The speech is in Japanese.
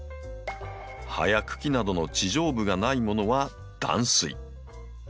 葉や茎などの地上部がないものは断水。